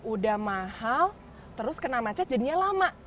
udah mahal terus kena macet jadinya lama